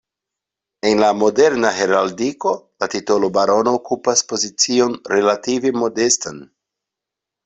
En la moderna heraldiko, la titolo “barono” okupas pozicion relative modestan.